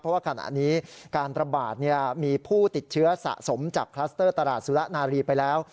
เพราะว่าขณะนี้การระบาดมีผู้ติดเชื้อสะสมจากคลัสเตอร์ตลาดสุระนารีไปแล้ว